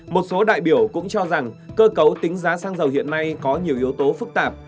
một số đại biểu cũng cho rằng cơ cấu tính giá xăng dầu hiện nay có nhiều yếu tố phức tạp